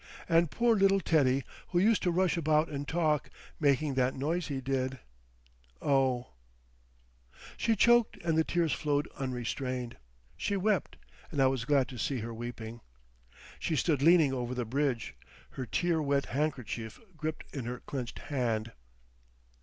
And poor little Teddy, who used to rush about and talk—making that noise he did—Oh!" She choked, and the tears flowed unrestrained. She wept, and I was glad to see her weeping. She stood leaning over the bridge; her tear wet handkerchief gripped in her clenched hand.